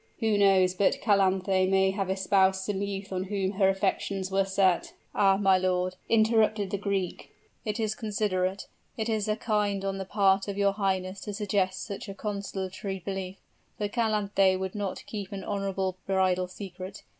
"Who knows but Calanthe may have espoused some youth on whom her affections were set " "Ah! my lord!" interrupted the Greek, "it is considerate it is kind on the part of your highness to suggest such a consolatory belief; but Calanthe would not keep an honorable bridal secret.